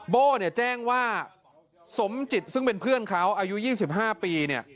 โบ้เนี่ยแจ้งว่าสมจิตซึ่งเป็นเพื่อนเขาอายุ๒๕ปีเนี่ย